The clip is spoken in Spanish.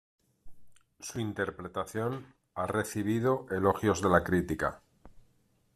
Su interpretación ha recibido elogios de la crítica.